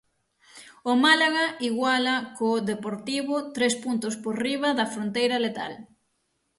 O Málaga iguala co Deportivo, tres puntos por riba da fronteira letal.